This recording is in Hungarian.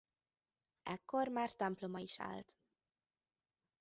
Ekkor már temploma is állt.